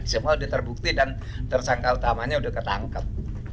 semua sudah terbukti dan tersangka utamanya sudah ketangkep